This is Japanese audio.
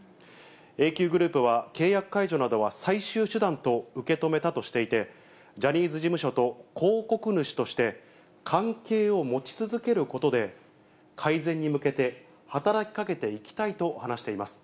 ＡＱＧｒｏｕｐは、契約解除などは最終手段と受け止めたとしていて、ジャニーズ事務所と広告主として、関係を持ち続けることで、改善に向けて働きかけていきたいと話しています。